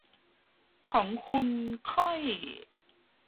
ของคุณค่อย